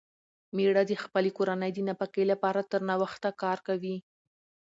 مېړه د خپلې کورنۍ د نفقې لپاره تر ناوخته کار کوي.